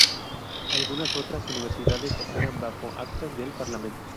Algunas otras universidades operan bajo Actas del Parlamento.